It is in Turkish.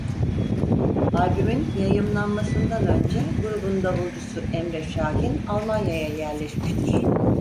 Albümün yayımlanmasından önce grubun davulcusu Emre Şahin Almanya'ya yerleşmiştir.